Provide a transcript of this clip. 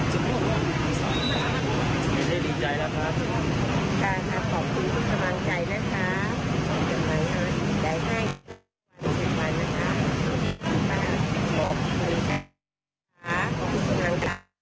ขอบคุณคุณแหลงใจค่ะขอบคุณพี่น้องทุกคน